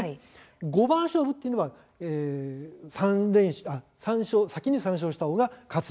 五番勝負というのは先に３勝したなるほど。